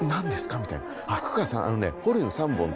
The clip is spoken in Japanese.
みたいな。